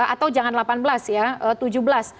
atau jangan delapan belas ya